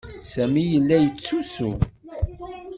Sami yella yettusu.